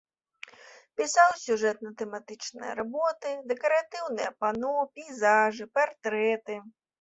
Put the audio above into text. Пісаў сюжэтна-тэматычныя работы, дэкаратыўныя пано, пейзажы, партрэты.